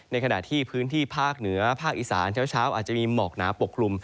ขณะที่พื้นที่ภาคเหนือภาคอีสานเช้าอาจจะมีหมอกหนาปกคลุม